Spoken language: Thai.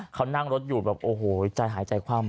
เขานั่งรถอยู่แบบโอ้โหใจหายใจคว่ำ